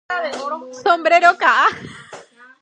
Sombrero ka'a.